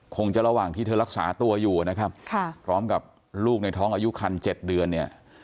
คงจะระหว่างที่เธอรักษาตัวอยู่นะครับพร้อมกับลูกในท้องอายุคัน๗เดือนเนี่ย